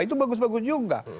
itu bagus bagus juga